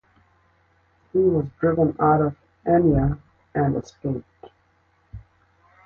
He was driven out of Enya and escaped.